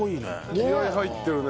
気合入ってるね。